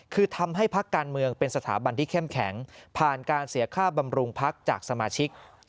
คือทำให้พักการเมืองเป็นสถาบันที่เข้มแข็งผ่านการเสียค่าบำรุงพักจากสมาชิก